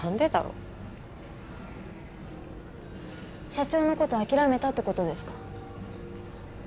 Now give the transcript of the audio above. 社長の事諦めたって事ですか？